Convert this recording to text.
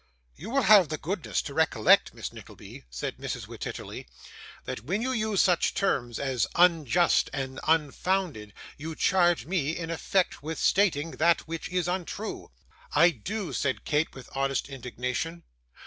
'You will have the goodness to recollect, Miss Nickleby,' said Mrs Wititterly, 'that when you use such terms as "unjust", and "unfounded", you charge me, in effect, with stating that which is untrue.' 'I do,' said Kate with honest indignation.